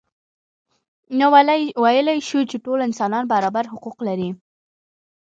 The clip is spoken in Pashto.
نو ویلای شو چې ټول انسانان برابر حقوق لري.